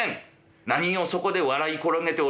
何をそこで笑い転げておるかその方。